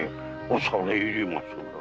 恐れ入ります。